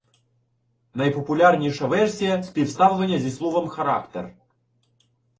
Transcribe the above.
Найпопулярніша версія – співставлення зі словом «характер».